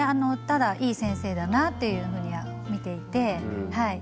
ただいい先生だなっていうふうには見ていてはい。